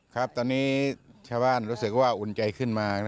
ครับตอนนี้ชาวบ้านรู้สึกว่าอุ่นใจขึ้นมา